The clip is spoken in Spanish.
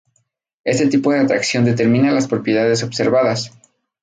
Este tipo de atracción determina las propiedades observadas.